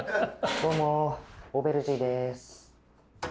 ・どうもオーベルジーでーす。